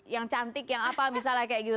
yang cantik yang apa misalnya kayak gitu